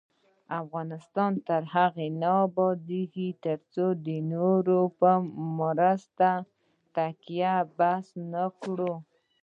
افغانستان تر هغو نه ابادیږي، ترڅو د نورو په مرستو تکیه بس نکړو.